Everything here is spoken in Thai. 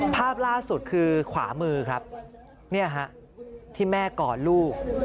ภาพลาสุดคือขวามือครับนี่ฮะที่แม่ก่อนลูก